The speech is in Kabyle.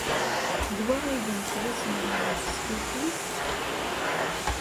D wa ay d ameklas-nwen n tesfifin?